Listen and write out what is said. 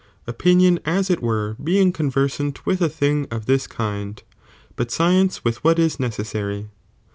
opinion as it were being conversant with a thing J^Jj'bJ'i^'*'" 1 of this kind, but science with what is necessary.